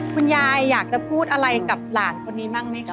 คุณยายอยากจะพูดอะไรกับหลานคนนี้บ้างไหมคะ